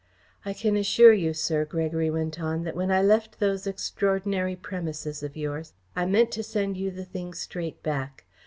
"I can assure you, sir," Gregory went on, "that when I left those extraordinary premises of yours, I meant to send you the thing straight back.